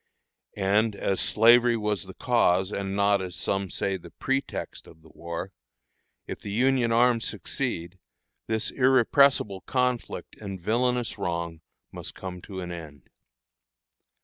And as slavery was the cause, and not, as some say, the pretext, of the war, if the Union arms succeed, this "irrepressible conflict" and villanous wrong must come to an end.